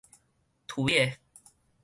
槌的